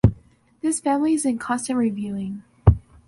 This family is in constant reviewing.